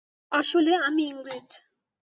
আসলে, আমি ইংরেজ।